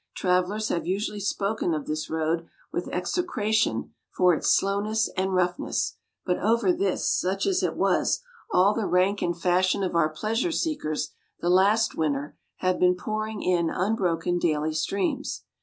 Travellers have usually spoken of this road with execration for its slowness and roughness; but over this, such as it was, all the rank and fashion of our pleasure seekers, the last winter, have been pouring in unbroken daily streams.